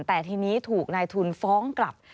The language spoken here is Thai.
แต่ทีนี้ถูกนายทุนฟ้องกลับ